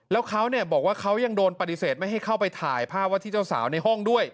แล้วเขาบอกว่าเขายังโดนปฏิเสธไม่ให้เข้าไปถ่ายภาพว่าที่เจ้าสาวในห้องด้วย